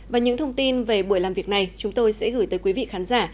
và những thông tin về buổi làm việc này chúng tôi sẽ gửi tới quý vị khán giả